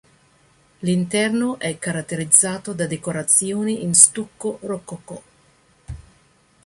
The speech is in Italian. L'interno è caratterizzato da decorazioni in stucco rococò.